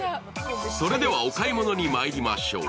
それではお買い物にまいりましょう。